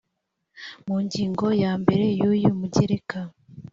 mu ngingo ya mbere y uyu mugereka